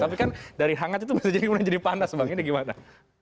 tapi kan dari hangat itu bisa menjadi panas bang ini gimana